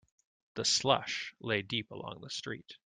The slush lay deep along the street.